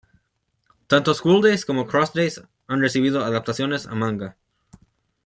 Un buffer circular puede presentar ciertos problemas que hay que saber controlar.